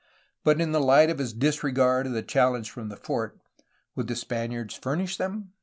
But in the light of his disregard of the challenge from the fort, would the Spaniards furnish them?